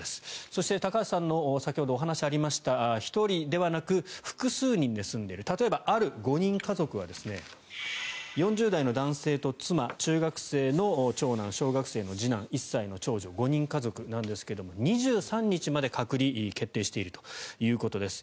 そして高橋さんのお話が先ほどありました１人ではなく複数人で住んでいる例えば、ある５人家族は４０代の男性と妻、中学生の長男小学生の次男、１歳の長女５人家族ですが２３日まで隔離が決定しているということです。